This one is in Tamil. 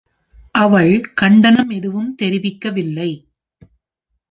அவள் கண்டனம் ஏதும் தெரிவிக்கவில்லை.